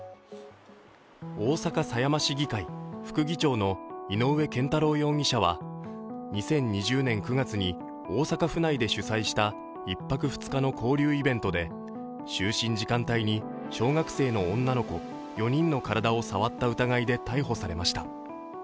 大阪・狭山市議会副議長の井上健太郎容疑者は２０２０年９月に大阪府内で主催した１泊２日の交流イベントで就寝時間帯に小学生の女の子４人の体を触った疑いで逮捕されました。